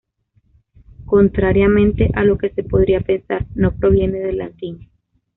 Contrariamente a lo que se podría pensar, no proviene del latín.